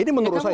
ini menurut saya